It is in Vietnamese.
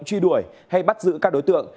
truy đuổi hay bắt giữ các đối tượng